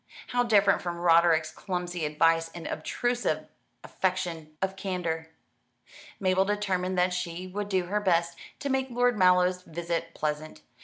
How different from Roderick's clumsy advice and obtrusive affectation of candour. Mabel determined that she would do her best to make Lord Mallow's visit pleasant.